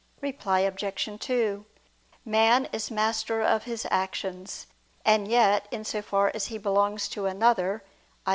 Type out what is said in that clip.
Reply Obj. 2: Man is master of his actions; and yet, in so far as he belongs to another, i.